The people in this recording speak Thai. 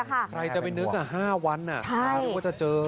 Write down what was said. ใครจะไปนึก๕วันนึกว่าจะเจอ